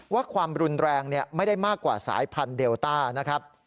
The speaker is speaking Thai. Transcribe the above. ความรุนแรงไม่ได้มากกว่าสายพันธุเดลต้านะครับ